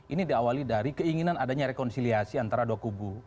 ini diawali dari keinginan adanya rekonsiliasi antara dua kubu